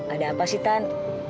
ada apa sih tan